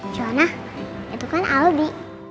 juhana itu kan aldi